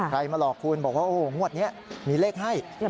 มาหลอกคุณบอกว่าโอ้โหงวดนี้มีเลขให้